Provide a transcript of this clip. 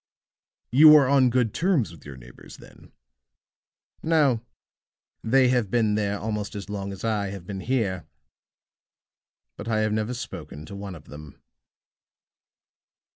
You are on good terms with your neighbors, then?" "No. They have been there almost as long as I have been here; but I have never spoken to one of them."